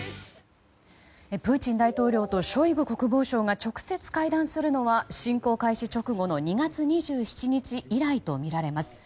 プーチン大統領とショイグ国防相が直接会談するのは侵攻開始直後の２月２７日以来とみられます。